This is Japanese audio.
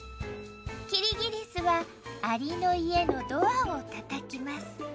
キリギリスはアリの家のドアをたたきます